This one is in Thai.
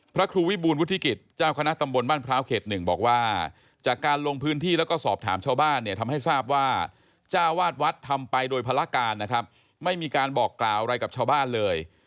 พระครูวิบูลวุฒิกิจเจ้าคณะตำบลบ้านพร้าวเขตหนึ่งบอกว่าจากการลงพื้นที่แล้วก็สอบถามชาวบ้านเนี่ยทำให้ทราบว่าจ้าวาดวัดทำไปโดยภารการนะครับไม่มีการบอกกล่าวอะไรกับชาวบ้านเลย